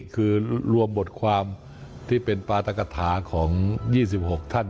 คือรวมบทความที่เป็นปาตกฐาของ๒๖ท่าน